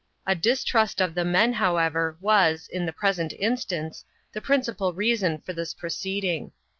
A distrust of the men, however, was, in the present instance, the principal reason for this proceeding.